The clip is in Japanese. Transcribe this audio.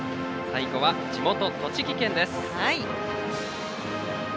最後は地元・栃木県です。